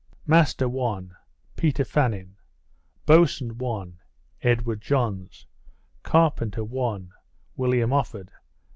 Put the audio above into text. Master (1) Peter Fannin. Boatswain (1) Edward Johns. Carpenter (1) William Offord.